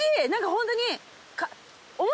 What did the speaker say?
ホントに。